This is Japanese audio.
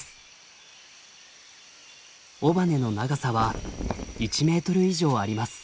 尾羽の長さは１ｍ以上あります。